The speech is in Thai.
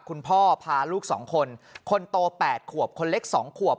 คุณพ่อพาลูกสองคนคนโตแปดขวบคนเล็กสองขวบ